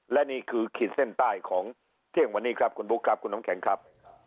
และนี่คือขีดเส้นใต้ของเที่ยงวันนี้ครับคุณบุ๊คครับคุณน้ำแข็งครับ